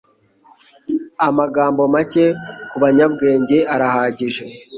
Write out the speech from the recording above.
Amagambo make kubanyabwenge arahagije